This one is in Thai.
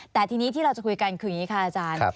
แต่ทีนี้ที่เราจะคุยกันคืออย่างนี้ค่ะอาจารย์